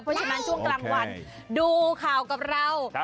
เพราะฉะนั้นช่วงกลางวันดูข่าวกับเรา